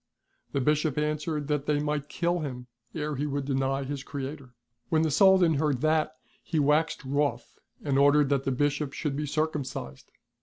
The Bishop answered that they might kill him ere he woukl deny his Creator. When the Soldan heard that he waxed wroth, and ordered that the Bishop should be circumcised.